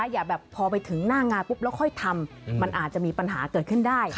อย่าแบบพอไปถึงหน้างานปุ๊บแล้วค่อยทำมันอาจจะมีปัญหาเกิดขึ้นได้